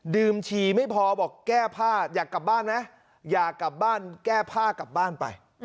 ฉี่ไม่พอบอกแก้ผ้าอยากกลับบ้านไหมอยากกลับบ้านแก้ผ้ากลับบ้านไป